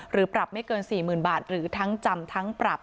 ปรับไม่เกิน๔๐๐๐บาทหรือทั้งจำทั้งปรับ